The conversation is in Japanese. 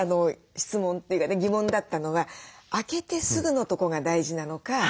質問というかね疑問だったのは開けてすぐのとこが大事なのか